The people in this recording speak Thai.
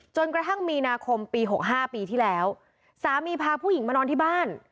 จนกระทั่งมีนาคมปี๖๕ปีที่แล้วสามีพาผู้หญิงมานอนที่บ้าน